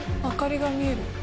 明かりが見える。